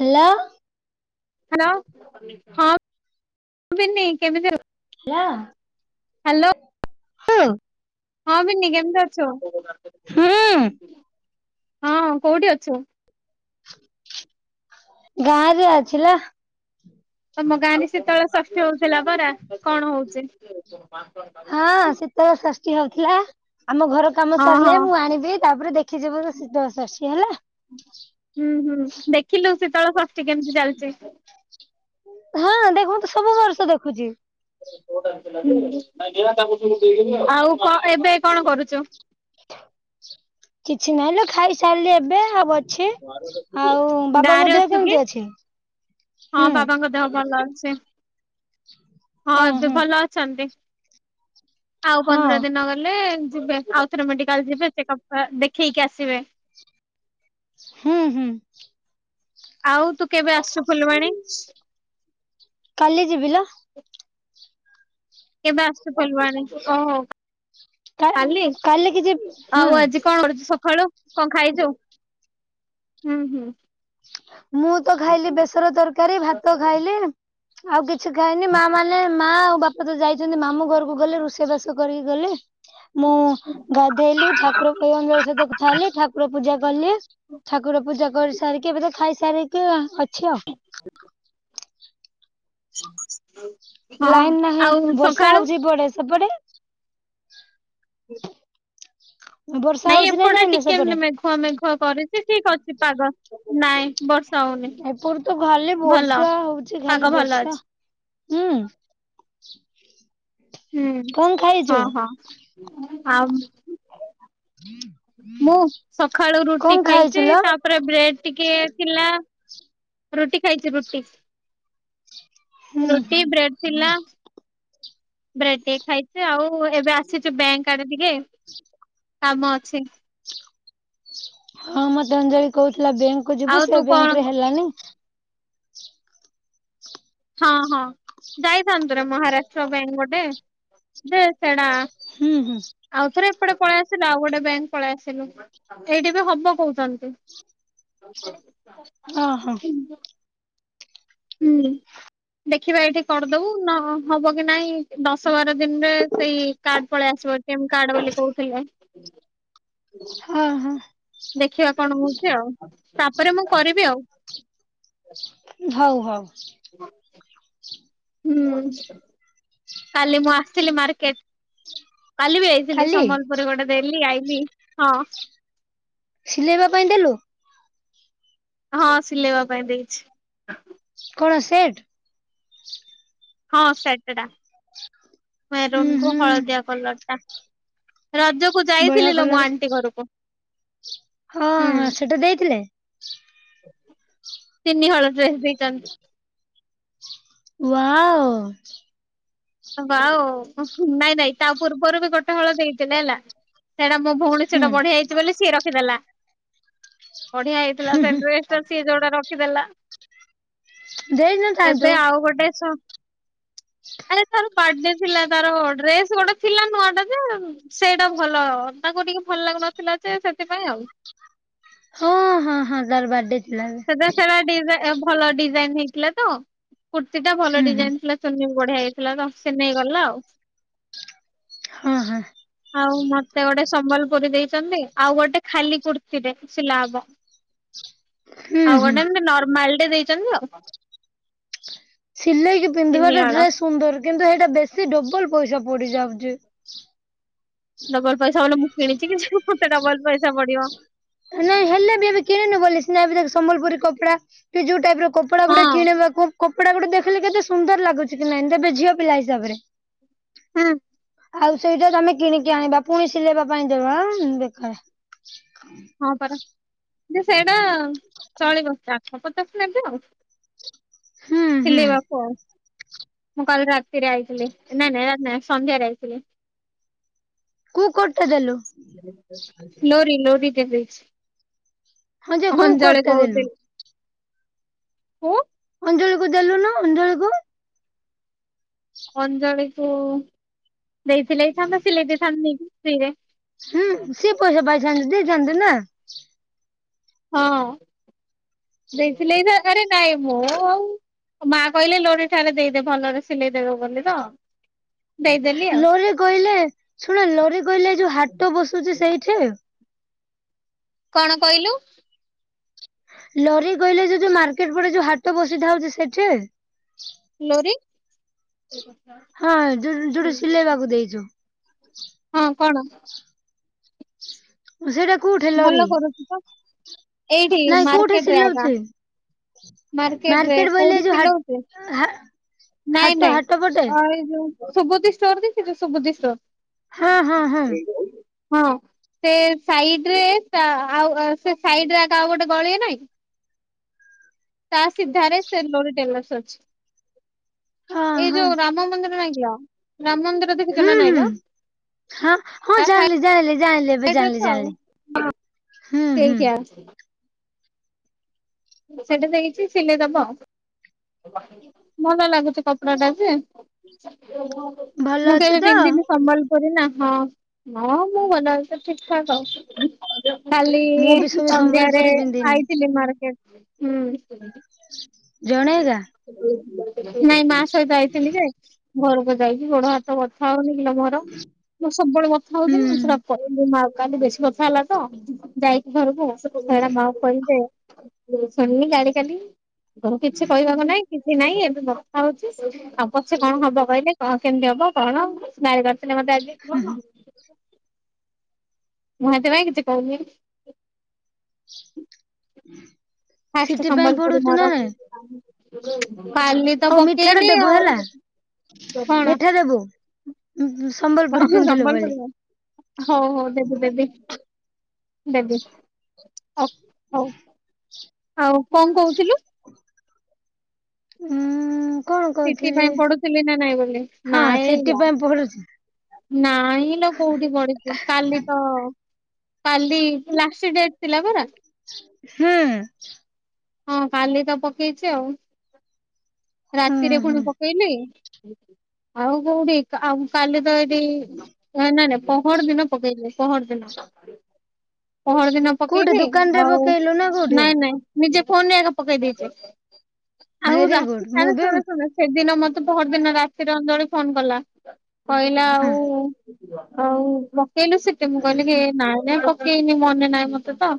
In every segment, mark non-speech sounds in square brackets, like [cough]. Hello. Hello ହଁ ବିନି କେମିତି ଅ ହାଲୋ। ହାଲୋ। ହଁ ବିନି କେମିତି ଅଛୁ? ହୁଁ। ହଁ କୋଉଠି ଅଛୁ? ଗାଁରେ ଅଛି ଲୋ। ତମ ଗାଁରେ ଶୀତଳ ଷଷ୍ଠୀ ହୋଉଥିଲା ପରା କଣ ହୋଉଛି? ହଁ ଶୀତଳ ଷଷ୍ଠୀ ହୋଉଥିଲା। ଆମ ଘର କାମ ହଁ ହଁ ସାରିଲେ ମୁଁ ଆଣିବି ତାପରେ ଦେଖିଯିବୁ ଶୀତଳଷଷ୍ଠୀ ହେଲା। ହୁଁ ହୁଁ ଦେଖିଲୁ ଶୀତଳ ଷଷ୍ଠୀ କେମିତି ଚାଲିଛି? ହଁ ଦେଖନ୍ତୁ ସବୁ ବର୍ଷ ଦେଖୁଛି। ହୁଁ ଆଉ କହ ଏବେ କଣ କରୁଛୁ? କିଛି ନାହିଁ ଲୋ ଖାଇସାରିଲି ଏବେ ଆଉ ଅଛି ଆଉ ଗାଁରେ ବାବାଙ୍କ ଦେହ ଅଛୁ କି? କେମିତି ଅଛି ହଁ ହୁଁ? ବାବାଙ୍କ ଦେହ ଭଲ ଅଛି ହଁ ଏବେ ଭଲ ଅଛନ୍ତି। ଆଉ ପନ୍ଦର ହଁ ଦିନ ଗଲେ ଯିବେ ଆଉଥରେ ମେଡିକାଲ୍ ଯିବେ ଚେକଅପ୍ କ ଦେଖେଇକି ଆସିବେ। ହୁଁ ହୁଁ। ଆଉ ତୁ କେବେ ଆସୁଛୁ ଫୁଲବାଣୀ? କାଲି ଯିବି ଲୋ। କେବେ ଆସୁଛୁ ଫୁଲବାଣୀ କୁ ଓ ହୋଉ। କା କାଲି କାଲିକି ଯିବି ହୁଁ। ଆଉ ଆଜି କଣ କରୁଛୁ ସକାଳୁ? କଣ ଖାଇଛୁ। ମୁଁ ତ ଖାଇଲି ବେସର ତରକାରୀ ଭାତ ଖାଇଲି। ଆଉ କିଛି ଖାଇନି ମା ମାନେ ମା ଆଉ ବାପା ବାପା ତ ଯାଇଛନ୍ତି ମାମୁଁ ଘରକୁ ଗଲେ ରୋଷେଇ ବାସ କରିକି ଗଲେ। ମୁଁ ଗାଧେଇଲି ଠାକୁର ପୁଅଙ୍କ ସହିତ କଥା ହେଲି ଠାକୁର ପୂଜା କାଲି। ଠାକୁର ପୂଜା କରିସାରିକି ଏବେ ତ ଖାଇସାରିକି ଅଛି ଆଉ। [inaudible] ଆଉ। ହଁ। ଲାଇନ ନାହିଁ ବର୍ଷା ସକାଳୁ ହଉଛି ଏପଟେ ସେପଟେ। ବର୍ଷା ହଉଛି ନା ନାଇଁ ଲୋ ସେପଟେ। ହଁ ମେଖୁଆ କରିଛି ଠିକ୍ ଅଛି ପାଗ ନାଇଁ। ବର୍ଷା ହଉନି। ଏପଟେ ତ ଖାଲି ଭଲ ବର୍ଷା ହଉଚ ପାଗ ଖାଲି ଭଲ ବର୍ଷା ଅଛି ହୁଁ। ହୁଁ କଣ ଖାଇଛୁ? ହଁ ହଁ ଆଉ। ମୁଁ ସକାଳୁ କଣ ରୁଟି ଖାଇଛୁ ଖାଇଛି ତା ଲୋ? ତାପରେ ବ୍ରେଡ ଟିକେ ଥିଲା ରୁଟି ଖାଇଛି ରୁଟି। ହୁଁ ରୁଟି ବ୍ରେଡ ଥିଲା। ବ୍ରେଡ ଟିକେ ଖାଇଛି ଆଉ ଏବେ ଆସିଛୁ ବ୍ୟାଙ୍କ ଆଡେ ଟିକେ। କାମ ଅଛି। ହଁ ମତେ ଅଞ୍ଜଳି କହୁଥିଲା ବ୍ୟାଙ୍କ କୁ ଯିବୁ ଆଉ ତୁ ସେ କଣ ବ୍ୟାଙ୍କ ରେ ହେଲାନି। ହଁ ହଁ ଯାଇଥାନ୍ତୁ ମହାରାଷ୍ଟ୍ର ବ୍ୟାଙ୍କ ଗୋଟେ ଯେ ସେଟା। ହୁଁ ହୁଁ। ଆଉ ଥରେ ଏପଟେ ପଳେଇ ଆସିଲୁ ଆଉ ଗୋଟେ ବ୍ୟାଙ୍କ ପଳେଇ ଆସିଲୁ ଏଇଠି ବି ହବ କହୁଛନ୍ତି। ଅ ହଁ। ହୁଁ ଦେଖିବା ଏଇଠି କରିଦବୁ ନ ହବ କି ନାଇଁ ଦଶ ବାର ଦିନରେ ସେଇ କାର୍ଡ ପଳେଇ ଆସିବ ଏ ଟି ଏମ କାର୍ଡ ବୋଲି କହୁଥିଲେ। ଅ ହଁ। ଦେଖିବା କଣ ହଉଛି ଆଉ ତାପରେ ମୁଁ କରିବି ଆଉ। ହଉ ହଉ। ହୁଁ। କାଲି ମୁଁ ଆସଥିଲି ମାର୍କେଟ। କାଲି ବି ଆଇଥିଲି କାଲି ସମ୍ବଲପୁର ଗୋଟେ ଦେଲି ଆଇଲିି ହଁ। ସିଲେଇବା ପାଇଁ ଦେଲୁ। ହଁ ସିଲେଇବା ପାଇଁ ଦେଇଛି। କଣ ସେଟ। ହଁ ସେଟଟା ହୁଁ ମେରୁନ୍ କୁ ହୁଁ ହଳଦିଆ କଲର ଟା। ରଜକୁ ବଢିଆ ଯାଇଥିଲିଲୋ କଲର ମୁଁ ଆଣ୍ଟି ଘରକୁ। ହଁ ହୁଁ ହଁ ସେଟା ଦେଇଥିଲେ। ତିିନି ହଳ ଡ୍ରେସ ଦେଇଛନ୍ତି। ୱାଓ। ନାଇଁ ନାଇଁ ତା ପୂର୍ବରୁ ବି ଗୋଟେ ହଳ ଦେଇଥିଲେ ହେଲା ସେଟା ମୁଁ ଭଉଣୀ ହୁଁ ସେଟା ବଢିଆ ହୋଇଛି ବୋଲି ସିଏ ରଖିଦେଲା। ବଢିଆ ହେଇଥିଲା ସେ ଡ୍ରେସ ଟା ସିଏ ଯୋଉଟା ରଖିଦେଲା। ଦେଇନଥାନ୍ତୁ। ଏବେ ଆଉ ଗୋଟେ। ହଁ। ଆରେ ତାର ବାର୍ଥଡେ ଥିଲା ତାର ଡ୍ରେସ ଗୋଟେ ଥିଲା ନୁଆଟା ଯେଉ। ସେଇଟା ଭଲ ତାଙ୍କୁ ଟିକେ ଭଲ ଲାଗୁନଥିଲା ଯେ ସେଥିପାଇଁ ଆଉ। ହଁ ହଁ ହଁ ତାର ବାର୍ଥଡେ ଥିଲା ଏବେ। ସାରା ଡି ଭଲ ଡିଜାଇନ ହେଇଥିଲା ତ କୃତ୍ତିଟା ଭଲ ହୁଁ ଡିଜାଇନ ଥିଲା। ଚୁନି ବି ବଢିଆ ହେଇଥିଲା ତ ସ ନେଇେଇ ଗଲା ଆଉ। ହଁ ହଁ। ଆଉ ମତେ ଗୋଟେ ସମ୍ବଲପୁରୀ ଦେଇଛନ୍ତି ଆଉ ଗୋଟେ ଖାଲି କୃତିଟେ ସିଲା ହବ। ହ। ଆଉ ଗୋଟେ ଏମତି ନର୍ମାଲ ଟେ ଦେଇଛନ୍ତି ଆଉ। ସିଲେଇକି ତିନି ପିନ୍ଧିବାଟା ହଳ ଡ୍ରେସ ସୁନ୍ଦର କିନ୍ତୁ ସେଇଟା ବେଶୀ ଡବଲ ପଇସା ପଡିଯାଉଛି। ଡବଲ ପଇସା ବଲେ ମୁଁ କିଣିଛି କିଛି ମୋତେ ଡବଲ ପଇସା ପଡିବ। ନାଇଁ ହେଲେ ବି ଏବେ କିଣିନୁ ବୋଲି ସିନା ଏବେ ଦେଖ୍ ସମ୍ବଲପୁରୀ କପଡା। କି ଯୋଉ ଟାଇପ ର କପଡା ହଁ ଗୁଡା କିଣିବାକୁ। କପଡା ଗୁଟେ ଦେଖିଲେ କେତେ ସୁନ୍ଦର ଲାଗୁଛି କି ନାଇ ତେବେ ଝିଅ ପିଲା ହିସାବରେ। ହୁଁ। ଆଉ ସେଇଟା ତମେ କିଣିକି ଆଣିବା ପୁଣି ସିଲେଇବା ପାଇଁ ଦବା ଉଁ ବେକାର। ହଁ ପରା। କିନ୍ତୁ ସେଇଟା ଚଳିବ ଆଠଶହ ପଚାଶ ନେବେ ଆଉ। ହୁଁ ହୁଁ ସିଲେଇବାକୁ ଆଉ। ମୁଁ କାଲି ରାତିରେ ଆଇଥିଲି ନାଇଁ ନାଇଁ ନାଇଁ ସନ୍ଧ୍ୟାରେ ଆଇଥିଲି। କୁ କଟ୍ ଟା ଦେଲୁ। ଲୋରି ଲୋରି ଦେ ହଁ ଯେ ଦେଇଛି କୋଉ କୋଟ ଅଞ୍ଜଳି ଟା ଦେଲୁ? କହୁଥିଲି। କୋଉ ଅଞ୍ଜଳି କୁ ଦେଲୁନୁ ଅଞ୍ଜଳି କୁ। ଅଞ୍ଜଳି କୁ ଦେଇଥିଲେ ହେଇଥାନ୍ତା ସିଲେଇ ଦେଇଥାନ୍ତା ସିଲେଇ ଦେଇଥାନ୍ତେ ଫ୍ରି ରେ। ହୁଁ ସିଏ ପଇସା ପାଇଥାଆନ୍ତ ଦେଇଥାନ୍ତା ନା ଚନ୍ଦନା। ହଁ ଦେଇ ଥିଲେ ହେଇ ଥାନ୍ତା ଟାଇମ୍ ହଁ। ମା କହିଲେ ଲୋରି ଠାରେ ଦେଇଦେବେ ଭଲରେ ସିଲେଇଦବ ବୋଲି ତ। ଦେଇଦେଲି ଆଉ ଲୋରି କହିଲେ ଶୁଣ ଲୋରି କହିଲେ ଯୋଉ ହାଟ ବସୁଛି ସେଇଠି। କଣ କହିଲୁ? ଲୋରି କହିଲେ ଯୋଉ ଯୋଉ ମାର୍କେଟ ପଟେ ଯୋଉ ହାଟ ବସିଥାଉ ଟି ସେଠି ଲୋରି? ହଁ ଯୋ ଯୋଉଟୁ ସିଲେଇବାକୁ ଦେଇଛୁ। ହଁ କଣ? ସେଟା କଉଠି ଭଲ କରୁଛି ତ, ଏଇଠି ନାଇଁ କୋଉଠି ମାର୍କେଟରେ ଏକା ସିଲଉଛି ମାର୍କେଟ ରେ ବୋଇଲେ କୋଉଠି ଯୋଉ ହା ସିଲଉଛେ? ହା ନାଇଁ ହାଟ ନାଇଁ ହାଟ ପଟେ ଏ ଯୋଉ ସୁବୁଧି ଷ୍ଟୋର ଦେଖିନୁ ସୁବୁଧି ଷ୍ଟୋର। ହଁ ହଁ ହଁ। ହଁ ସେ ସାଇଡରେ ତା ଆଉ ସେ ସାଇଡରେ ଏକା ଆଉ ଗୋଟେ ଗଳି ନାଇଁ। ତା ସିଧାରେ ସେ ଲୋରି ଟେଲସ ଅଛି। ହଁ ଏଇ ହଁ ଯୋଉ ରାମ ମନ୍ଦିର ନାଇଁ କିଲୋ, ରାମ ମନ୍ଦିର ଦେଖିଚୂ ହୁଁ କି ହୁଁ ନାଇଁଲ? ହଁ ହଁ ଜାଣିଲି ଜାଣିଲି ଜାଣିଲି ଏବେ ଜାଣିଲି ଜାଣିଲି। ହୁଁ ହୁଁ। ଠିକ୍ ହେ। ସେଟା ଦେଇଛି ସିଲେଇ ଦବ। ଭଲ ଲାଗୁଛି କପଡା ଟା ଯେ ଭଲ ମୁଁ ଅଛୁ କେବେ ତ ପିନ୍ଧିନି ସମ୍ବଲ ନା ହଁ, ହଁ ମୁଁ ଗଲା ତ ଠିକ ଠାକ ହଉଛି। କଲି ମୁଁ ବି ଶୁଣି ସନ୍ଧ୍ୟାରେ ସମ୍ବଲପୁରୀ ପିନ୍ଧିନି ଆଇଥିଲି ମାର୍କେଟ ହୁଁ। ଜଣେ ଏକା। ନାଇଁ ମା ସହିତ ଆଇଥିଲି ଯେ, ଘରକୁ ଯାଇକି ଗୋଡ ହାତ ତ ବଥା ହଉନି କିଲୋ ମୋର? ମୁଁ ସବୁବେଳେ ବଥା ହୁଁ ହଉଥିଲି ହୁଁ ମୋ ମା କାଲି ବେଶୀ ବଥା ହେଲା ତ ଯାଇଛି ଘରକୁ ଆସୁ। ସେଡା ମାକୁ କହିଲି ଯେ ଶୁଣିଲି ଗାଡି କାଲି କିଛି କହିହେବ ନାଇଁ। କିଛି ନାଇଁ ଏବେ ବଥା ହଉଛି ଆଉ ପଛେ କଣ ହବ କହିଲେ କଣ କେମିତି ହବ କଣ, ନା ହୁଁ। [unintelligible] ମୁଁ ହେଥି ପାଇଁ କିଛି କହୁନି ଫାଷ୍ଟ୍ ସିଟି ପାଇଁ ସମ୍ବଲପୁରୀ ପଢୁଛୁ ନା ମୋର ନାଇଁ କାଲି ତ ହଉ ମିଠାଟା ପକେଇଲି, ଦେବୁ ହେଲା ଆଉ କଣ? [unintelligible] [unintelligible] ସମ୍ବଲପୁରୁ [unintelligible] ହଉ ହଉ ଦେବି ଦେବି ଦେବି। ଓ ହଉ ହଉ, ଆଉ କଣ କହୁଥିଲୁ? ଏଁ ସିଟି ପାଇଁ ପଡୁଥିଲି ନା ନାଇଁ ବୋଲେ, ହଁ ନାଇଁ ସିଟି ବା। ପାଇଁ ପଢୁଛି ନାଇଁ ଲୋ କୋଉଠୁ ପଢିଛୁ, କାଲି ତ କାଲି ଲାଷ୍ଟ୍ ଡେଟ୍ ଥିଲା ପରା। ହୁଁ। ହଁ କାଲି ତ ପକେଇଛି ଆଉ, ହୁଁ ରାତିରେ ପୁଣି ହୁଁ ପକେଇଲି। ଆଉ କୋଉଠି ଆଉ କାଲି ତ ଏଠି ନାଇଁ ନାଇଁ ପହର ଦିନ ପେକେଇଲେ ପହରଦିନ। ପହର ଦିନ କୋଉଠି ପକେଇବି, ଦୋକାନରେ ଆଉ ପକେଇଲୁ ନା କୋଉଠି ନାଇଁ ନାଇଁ ନିଜେ ଫୋନ ରେ ଆଗ ପକେଇ ଦେଇଛେ। ଆଉ ଭେରି ଗୁଡ ରାତି ମୁଁ ସାରା ବି ସୁଣ ସୁଣ। ସେଦିନ ମତେ ପହର ଦିନ ରାତିର ଅଞ୍ଜଳି ଫୋନ କଲା, କହିଲା ହଁ ଆଉ ଆଉ ପକେଇଲୁ ସିଟି, ମୁଁ କହିଲି କି ନାଇଁ ନାଇଁ ପକେଇନି ମନେ ନାହିଁ ମତେ ତ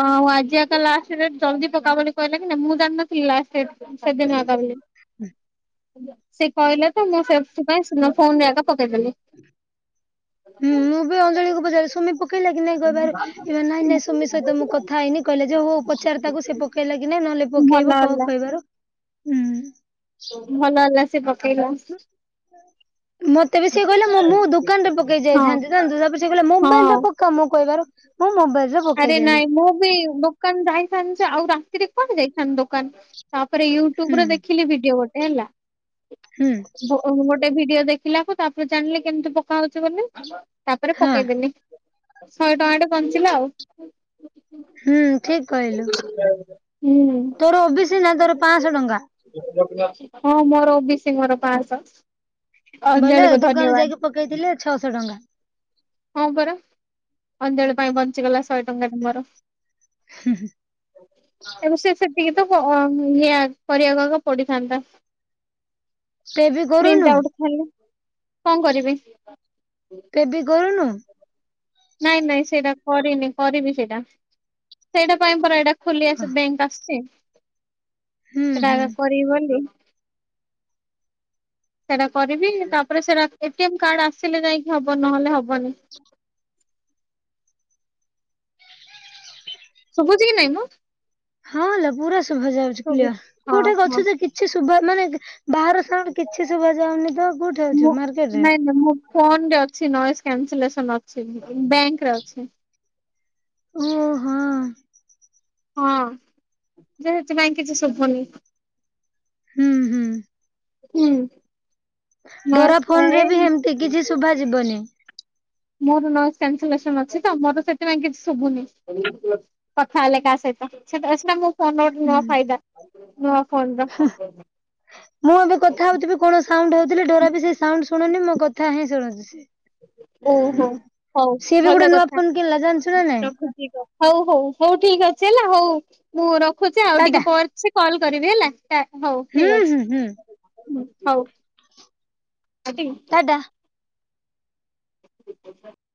ଆଉ ଆଜି ଆତ ଲାଷ୍ଟ୍ ସେ ଜଲଦି ପକା ବୋଲି କହିଲା କି ନା ମୁଁ ଜାଣିନଥିଲି ଲାଷ୍ଟ ଡେଟ୍ ସେଦିନ ତା ବୋଲି। ସେ କହିଲେ ତ ମୁଁ ସେଥି ପାଇଁ ସୁମା ଫୋନରେ ଆଗ ପକେଇଦେଲି। [unintelligible] ହୁଁ ମୁଁ ବି ଅଞ୍ଜଳି କୁ ପଚାରିଲି ସୁମି ପକେଇଲା କିି ନାଇଁ କହିବାର ନାଇଁ ନାଇଁ ସୁମି ସହିତ ମୁଁ କ କଥାହେଇନି କହିଲା ଯେ ହଉ ପଚାର ତାକୁ ସେ ପକେଇଲା କି ନାଇଁ ନହେଲେ ପକେଇବ ଭଲ କଣ ହେଲା କହିବାର, ହୁଁ ଭଲ ହେଲା ସେ ପକେଇଲ। ମତେ ବି ସିଏ କହିଲା ମୁଁ ଦୋକାନରେ ପକେଇ ହଁ ଯାଇଥାନ୍ତି ନ ତାପରେ ସେ କହିଲା ମୋବାଇଲରେ ହଁ ପ କା ମୁଁ କହିବାର ମୁଁ ମୋବାଇଲରେ ଆରେ ପକେଇଦେଲି ନାଇଁ ମୁଁ ବି ଦୋକାନ ଯାଇଥାନ୍ତି ଯେ ଆଉ ରାତିରେ କଣ ଯାଇଥାନ୍ତି ଦୋକାନ୍। ତାପରେ ହୁଁ ୟୁଟ୍ୟୁବ୍ରେ ଦେଖିଲି ଭିଡିଓ ଗୋଟେ ହେଲା। ହୁଁ। ଓ ଗୋଟେ ଭିଡିଓ ଦେଖିଲାକୁ ତାପରେ ଜାଣିଲି କେମିତି ପକା ହଉଛି ବୋଲି ତାପରେ ହଁ ପକେଇଦେଲିି। ଶହେ ଟଙ୍କା ଟେ ବଞ୍ଚିଲା ଆଉ। ହୁଁ ଠିକ କହିଲୁ। [inaudible] ହୁଁ ତୋର ଓବିସି ନା ତୋର ପାଞ୍ଚଶହ ଟଙ୍କା। ହଁ ମୋର ଓବିଶି ମୋର ପାଞ୍ଚଶହ ବୋଇଲେ ଅଞ୍ଜଳିକୁ ଦୋକାନ ଧନ୍ୟବାଦ୍। ଯାଇକି ପକେଇଥିଲେ ଛଅଶହ ଟଙ୍କା। ହଁ ପରା ଅଞ୍ଜଳି ପାଇଁ ବଞ୍ଚିଗଲା ଶହେ ଟଙ୍କାଟେ ମୋର। ହୁଁଁ ହୁଁ ଏବଂ ସେ ସେତିକି ତ ଇଏ କରିବାକୁକା ପଡିିଥାନ୍ତା। [inaudible] ବି କରୁନୁ ପ୍ରିଣ୍ଟ୍ ଆଉଟ୍ ଖାଲି। କଣ କରିବି? କେବି କରୁନୁ। ନାଇଁ ନାଇଁ ସେଇଟା କରିନି କରିନି ସେଇଟା ସେଇଟା ପାଇଁ ପ ଏଇଟା ଖୋଲି ଆସେ ବ୍ୟାଙ୍କ୍ ଆସଛି ହୁଁ ହୁଁ। ସେଟାକା କରିବି ବୋଲି। ସେଇଟା କରିବି ତାପରେ ସେଟା ଏଟି ଏମ କାର୍ଡ ଆସିଲେ ଯାଇକି ହବ ନହେଲେ ହବନି। ଶୁଭୁଛି କି ନାଇଁ ମ? ହଁ ଲୋ ପୁରା ଶୁଭା ଯାଉଛି ଶୁଭୁଛି କ୍ଲିଅର ହଁ କୋଉଠା ହଁ ଅଛୁ ତ କି କିଛି ଶୁଭା ମାନେ ବାହାର ସାଙ୍ଗ କିଛି ଶୁଭା ଯାଉନି ତ କୋଉଠି ଅଛୁ ମୁଁ ମାର୍କେଟରେ? ନାଇଁ ନାଇଁ ମୋ ଫୋନରେ ଅଛି ନଏଜ୍ କ୍ୟାନ୍ସେଲେସନ୍ ଅଛି ବ ବ୍ୟାଙ୍କରେ ଅଛି। ଓ ହଁ। ହଁ ଯେ ସେଥିପାଇଁ କିଛି ଶୁଭୁନି। ହୁଁ ହୁଁ ହୁଁ ଡୋରା ନଏଜ ଏ ଫୋନ୍ ରେ ବି ହେମ୍ ଟି କିଛି ଶୁଭା ଯିବନି। ମୋର ନଏଜ୍ କ୍ୟାନ୍ସେଲେସନ୍ ଅଛି ତ ମୋର ସେଥିପାଇଁ କିଛି ଶୁଭୁନି। ପଖା ଲେକା ସେଇଟା ସେଟା ସେଟା ମୋ ଫୋନ୍ ର ଗୋଟେ ନୂଆ ଫାଇଦା ନୂଆ ଫୋନ୍ ର। ହୁଃ ମୁଁ ଏବେ କଥା ହୋଉଥିବି କଣ ସାଉଣ୍ଡ୍ ହଉଥିଲେ ଡୋରା ବି ସେ ସାଉଣ୍ଡ୍ ଶୁଣୁନୀ ମୋ କଥା ହିଁ ଶୁଣୁଚି ଓହୋ ସିଏ। ହଉ ସିଏ ବି ଭଲ ଗୋଟେ ନୂଆ କଥା। ଫୋନ୍ କିଣିଲା ଜାଣିଛୁ ନା ନାଇଁ? ରଖୁଛି ହଉ ହଉ ହଉ ଠିକ ଅଛି ହେଲା ହଉ ମୁଁ ରଖୁଛି ଆଉ ଟିକେ ଟାଟା ପରେ ସେ କଲ୍ କରିବି ହେଲା। କାଟ୍ ହଉ ହୁଁ ଠିକ୍ ଅଛି ହୁଁ ହୁଁ ହଉ। ଟାଟା।